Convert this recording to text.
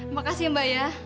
makasih mbak ya